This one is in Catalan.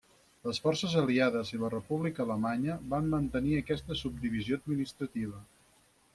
Les forces aliades i la república alemanya van mantenir aquesta subdivisió administrativa.